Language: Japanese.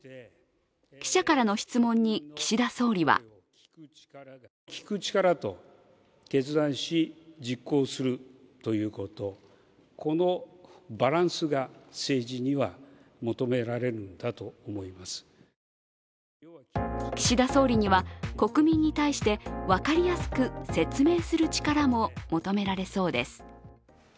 記者からの質問に岸田総理は岸田総理には国民に対して分かりやすく説明する力も求められそうです。